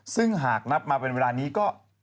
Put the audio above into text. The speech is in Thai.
ซึ่งหากนับมาเป็นเวลานี้ก็